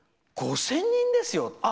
５０００人ですよ。